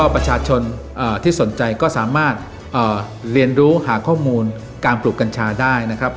ประชาชนที่สนใจก็สามารถเรียนรู้หาข้อมูลการปลูกกัญชาได้นะครับ